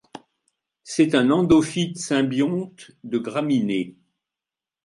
C'est un endophyte symbionte de graminées.